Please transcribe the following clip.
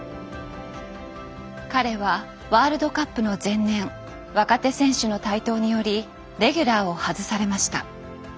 彼はワールドカップの前年若手選手の台頭によりレギュラーを外されました。